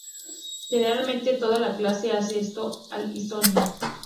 Generalmente, toda la clase hace esto al unísono.